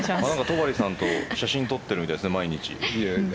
戸張さんと写真撮ってるんですね、毎日。